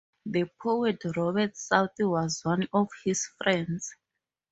The poet Robert Southey was one of his friends.